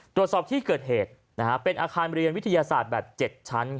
ตรวจสอบที่เกิดเหตุเป็นอาคารเรียนวิทยาศาสตร์แบบ๗ชั้น